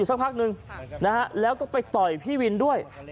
กันอยู่สักพักนึงนะฮะนะคะแล้วก็ไปต่อพี่วินด้วย